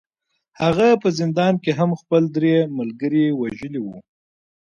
هغه په زندان کې هم خپل درې ملګري وژلي وو